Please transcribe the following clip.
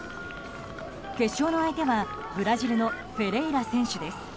決勝の相手はブラジルのフェレイラ選手。